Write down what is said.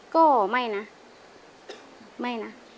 ก็ไม่นะไม่นะ